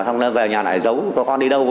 xong rồi về nhà lại giấu con đi đâu